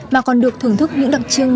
mà còn được thưởng thức những đặc trưng